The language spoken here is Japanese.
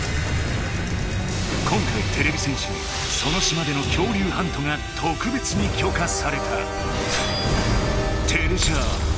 今回てれび戦士にその島での恐竜ハントがとくべつにきょかされた。